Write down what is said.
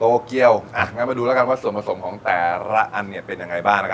ต่อเกียวหน้ามาดูแล้วกันว่าส่วมผสมของแต่ละอันเนี่ยเป็นยังไงบ้าง